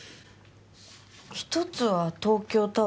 １つは東京タワーの色。